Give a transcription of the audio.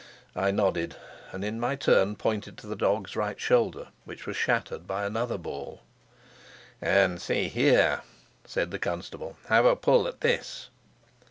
I nodded, and in my turn pointed to the dog's right shoulder, which was shattered by another ball. "And see here," said the constable. "Have a pull at this."